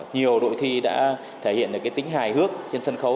nhiều đội thi đã thể hiện được tính hài hước trên sân khấu